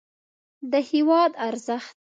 د هېواد ارزښت